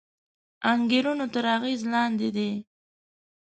انګېرنو تر اغېز لاندې دی